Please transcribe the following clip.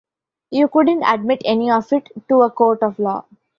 You couldn't admit any of it to a court of law.